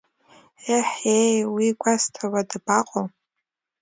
Еҳ ееи, уи гәазҭауа дабаҟоу!